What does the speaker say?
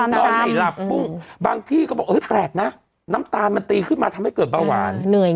นอนไม่หลับปุ้งบางที่ก็บอกแปลกนะน้ำตาลมันตีขึ้นมาทำให้เกิดเบาหวานเหนื่อย